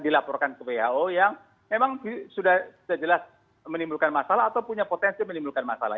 dilaporkan ke who yang memang sudah sejelas menimbulkan masalah atau punya potensi menimbulkan masalah